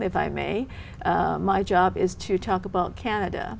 việc tôi làm là nói về canada